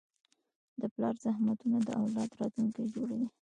د پلار زحمتونه د اولاد راتلونکی جوړوي.